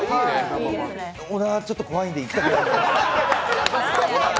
小田はちょっと怖いので行きたくないです。